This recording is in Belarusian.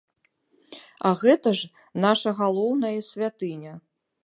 А гэта ж наша галоўнае святыня!